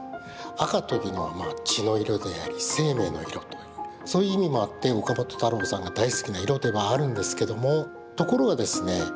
赤というのは血の色であり生命の色というそういう意味もあって岡本太郎さんが大好きな色ではあるんですけどもところがですね